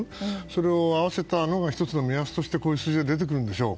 それを合わせたのが１つの目安としてこういう数字が出てきたんでしょう。